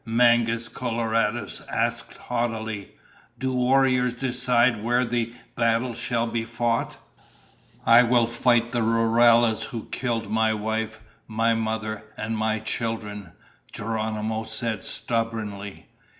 Mangus Coloradus asked haughtily, "Do warriors decide where the battle shall be fought?" "I will fight the rurales who killed my wife, my mother, and my children," Geronimo said stubbornly.